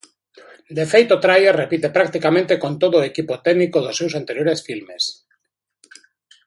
De feito, Trier repite practicamente con todo o equipo técnico dos seus anteriores filmes.